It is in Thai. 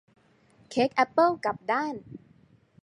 เค้กแอปเปิ้ลกลับด้าน